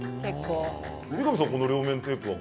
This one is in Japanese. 三上さんはこの両面テープは？